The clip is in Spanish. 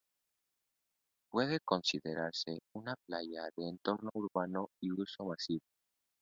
Puede considerarse una playa de entorno urbano y uso masivo.